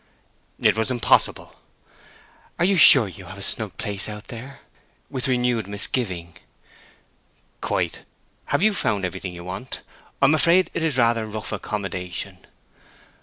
"It was impossible." "Are you sure you have a snug place out there?" (With renewed misgiving.) "Quite. Have you found everything you want? I am afraid it is rather rough accommodation."